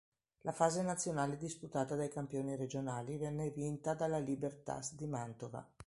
La fase nazionale, disputata dai campioni regionali, venne vinta dalla Libertas di Mantova.